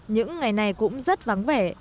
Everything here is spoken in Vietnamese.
những ngày này cũng rất vắng vẻ